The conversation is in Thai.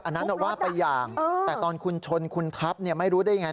อันนั้นว่าไปอย่างแต่ตอนคุณชนคุณทับไม่รู้ได้ไง